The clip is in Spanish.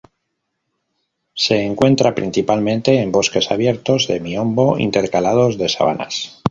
Se encuentra, principalmente, en bosques abiertos de Miombo intercalados de sabanas.